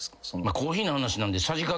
コーヒーの話なんで。